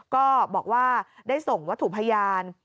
ก็บอกว่าได้ส่งวัตถุพยาน